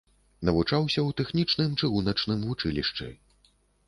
Навучаўся ў тэхнічным чыгуначным вучылішчы.